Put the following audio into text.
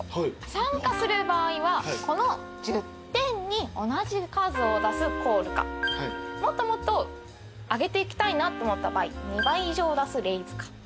参加する場合はこの１０点に同じ数を出すコールかもっともっと上げていきたいなと思った場合２倍以上出すレイズか。